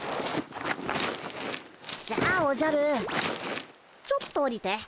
じゃあおじゃるちょっとおりて。